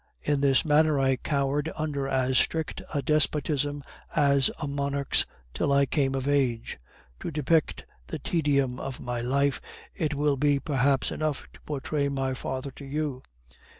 In this manner I cowered under as strict a despotism as a monarch's till I came of age. To depict the tedium of my life, it will be perhaps enough to portray my father to you.